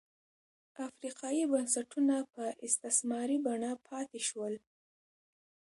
افریقايي بنسټونه په استثماري بڼه پاتې شول.